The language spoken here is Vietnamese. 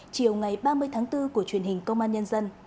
chiều ngày ba mươi tháng bốn của truyền hình công an nhân dân